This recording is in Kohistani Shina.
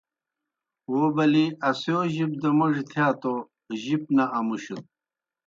وو بلِی اسِیو جِب دہ موڙیْ تِھیا توْ جِب نہ اَمُشَت۔